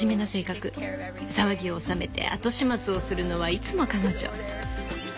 騒ぎを収めて後始末をするのはいつも彼女。